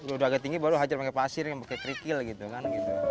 udah agak tinggi baru hajar pakai pasir yang pakai kerikil gitu kan